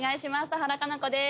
田原可南子です